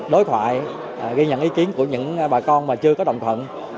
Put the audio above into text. đối thoại ghi nhận ý kiến của những bà con mà chưa có đồng thuận